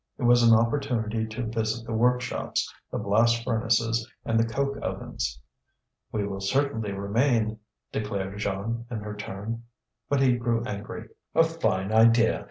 It was an opportunity to visit the workshops, the blast furnaces, and the coke ovens. "We will certainly remain," declared Jeanne, in her turn. But he grew angry. "A fine idea!